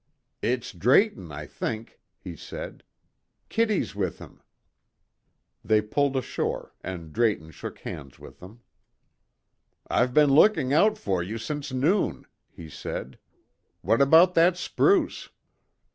"It's Drayton, I think," he said. "Kitty's with him." They pulled ashore, and Drayton shook hands with them. "I've been looking out for you since noon," he said. "What about that spruce?"